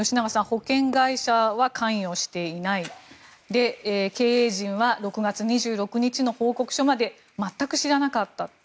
保険会社は関与していない経営陣は６月２６日の報告書まで全く知らなかった。